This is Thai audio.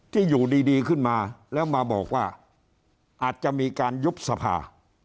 ที่อยู่ดีขึ้นมาแล้วมาบอกว่าอาจจะมีการยุบสภา